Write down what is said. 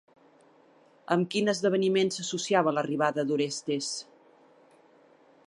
Amb quin esdeveniment s'associava l'arribada d'Orestes?